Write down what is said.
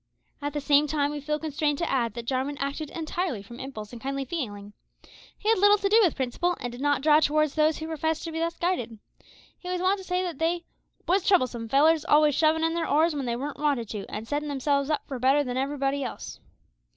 At the same time, we feel constrained to add that Jarwin acted entirely from impulse and kindly feeling. He had little to do with principle, and did not draw towards those who professed to be thus guided. He was wont to say that they "was troublesome fellers, always shovin' in their oars when they weren't wanted to, an' settin' themselves up for better than everybody else."